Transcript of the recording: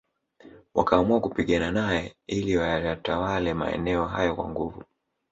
Wakaamua kupigana nae ili wayatawale maeneo hayo kwa nguvu